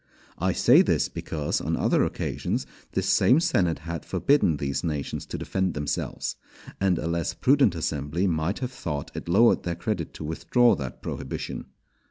I say this because on other occasions this same senate had forbidden these nations to defend themselves; and a less prudent assembly might have thought it lowered their credit to withdraw that prohibition.